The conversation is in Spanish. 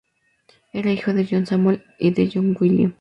Era hijo de John Samuel y de Jane William.